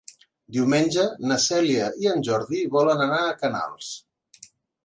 Diumenge na Cèlia i en Jordi volen anar a Canals.